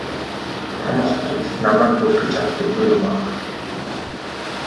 Том хотуудад намайг бүртгэж авдаггүй юм.